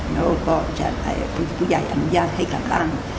แล้วก็ผู้ใหญ่อำนวยาให้กลับบ้าน